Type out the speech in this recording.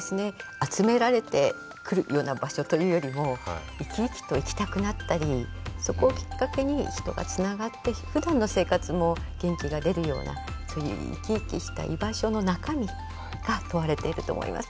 集められて来るような場所というよりも生き生きと行きたくなったりそこをきっかけに人がつながってふだんの生活も元気が出るようなそういう生き生きした居場所の中身が問われていると思います。